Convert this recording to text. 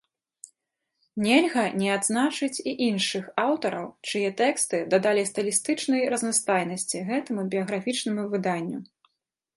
Нельга не адзначыць і іншых аўтараў, чые тэксты дадалі стылістычнай разнастайнасці гэтаму біяграфічнаму выданню.